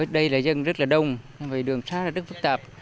đây là dân rất là đông đường xa rất phức tạp